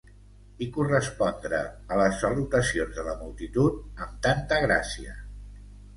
I correspondre a les salutacions de la multitud amb tanta gràcia